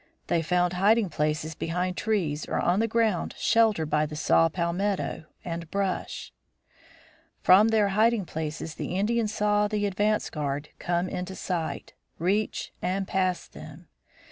They found hiding places behind trees or on the ground sheltered by the saw palmetto and brush. From their hiding places the Indians saw the advance guard come into sight, reach, and pass them.